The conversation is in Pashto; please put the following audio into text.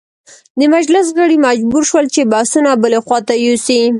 د مجلس غړي مجبور شول چې بحثونه بلې خواته یوسي.